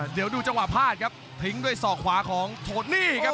เดี๋ยวดูจังหวะพลาดครับทิ้งด้วยศอกขวาของโทนี่ครับ